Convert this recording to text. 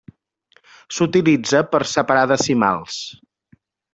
S'utilitza per separar decimals.